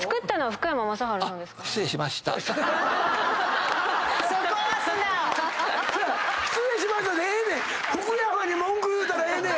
福山に文句言うたらええねん！